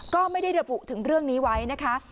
ก็ไม่ได้ระบุถึงเรื่องนี้ไว้นะคะ